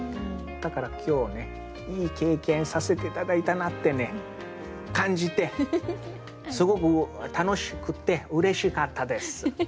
だから今日はねいい経験させて頂いたなって感じてすごく楽しくてうれしかったです。